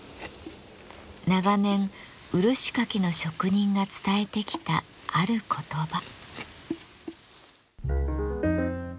長年漆かきの職人が伝えてきたある言葉。